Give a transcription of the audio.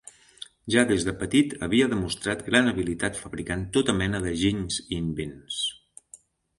Ja des de petit havia demostrat gran habilitat fabricant tota mena de ginys i invents.